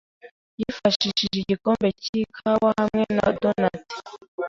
yifashishije igikombe cy'ikawa hamwe na donut.